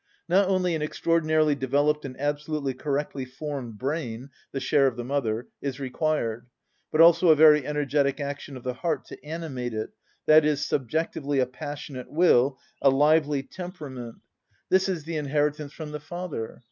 Not only an extraordinarily developed and absolutely correctly formed brain (the share of the mother) is required, but also a very energetic action of the heart to animate it, i.e., subjectively a passionate will, a lively temperament: this is the inheritance from the father.